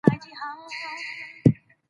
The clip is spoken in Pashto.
دوی ټولنیزې پدیدې وڅېړلې.